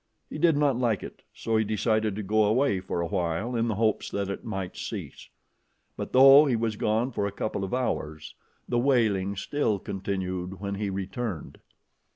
He did not like it, so he decided to go away for a while in the hopes that it might cease; but though he was gone for a couple of hours the wailing still continued when he returned.